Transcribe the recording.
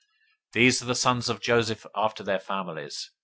These are the sons of Joseph after their families.